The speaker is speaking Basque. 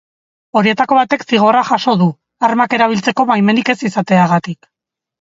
Horietako batek zigorra jaso du, armak erabiltzeko baimenik ez izateagatik.